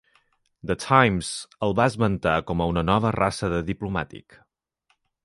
"The Times" el va esmentar com "una nova raça de diplomàtic".